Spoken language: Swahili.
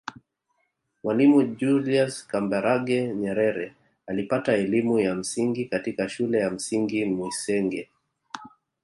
Mwalimu Julius Kambarage Nyerere alipata elimu ya msingi katika Shule ya Msingi Mwisenge